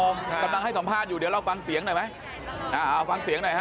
กำลังให้สัมภาษณ์อยู่เดี๋ยวเราฟังเสียงหน่อยไหมอ่าเอาฟังเสียงหน่อยฮะ